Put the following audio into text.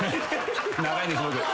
長いんです僕。